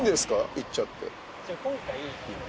行っちゃって。